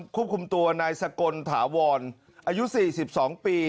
ควบคุมตัวนายสกลถาวรอายุ๔๒ปี